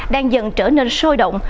đang dần trở nên sôi động